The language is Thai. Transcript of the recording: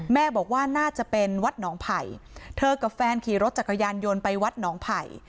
แม่บอกว่าน่าจะเป็นวัดหนองไผ่เธอกับแฟนขี่รถจักรยานยนต์ไปวัดหนองไผ่